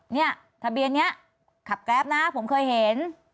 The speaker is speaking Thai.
เนี่ยทะเบียนนี้ขับแกรปนะผมเคยเห็น